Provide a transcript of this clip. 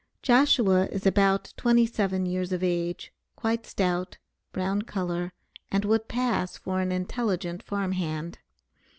Joshua is about twenty seven years of age, quite stout, brown color, and would pass for an intelligent farm hand.